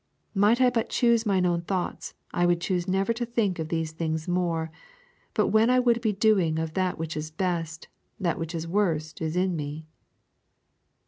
'Might I but choose mine own thoughts, I would choose never to think of these things more: but when I would be doing of that which is best, that which is worst is with me.'